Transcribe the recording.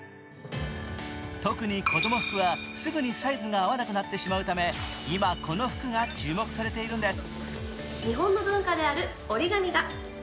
特に子供服は、すぐにサイズが合わなくなってしまうため今、この服が注目されているんです